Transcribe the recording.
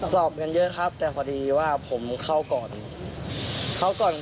สอบกันเยอะครับแต่พอดีว่าผมเข้าก่อน